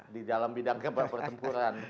di dalam bidang keberpertempuran